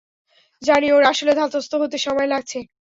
জানি, ওর আসলে ধাতস্থ হতে সময় লাগছে।